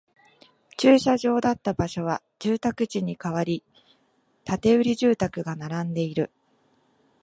駐車場だった場所は住宅地に変わり、建売住宅が並んでいる